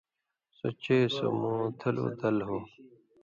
سو چے سو موتھلو دل ہو،